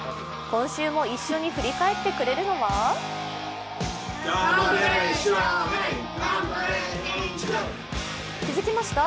今週も一緒に振り返ってくれるのは気づきました？